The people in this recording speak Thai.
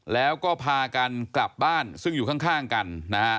แล้วก็พากันกลับบ้านซึ่งอยู่ข้างกันนะฮะ